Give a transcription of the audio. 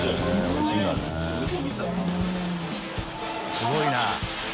すごいな。